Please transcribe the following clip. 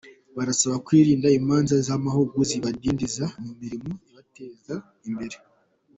Barasabwa kwirinda imanza z’amahugu zibadindiza mu mirimo ibateza imbere